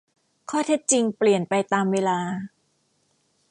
ข้อเท็จจริงเปลี่ยนไปตามเวลา